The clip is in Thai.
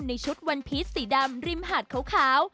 ในชุดวันพีชสีดำริมหาดขาว